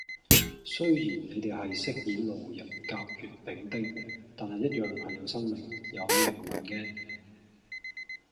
雖然你哋係飾演路人甲乙丙丁，但係一樣係有生命，有靈魂嘅